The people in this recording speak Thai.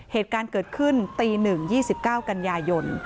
เหตุการณ์เกิดขึ้นตี๑๒๙กันยายน